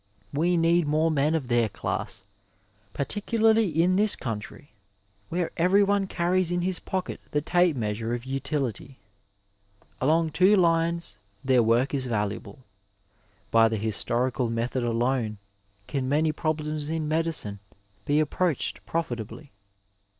We need more men of their class, particularly in this country, where every one carries in his pocket the tape measure of utility. Along two lines their work is valuable. By the historical method alone can many problems in medicine be approached profitably.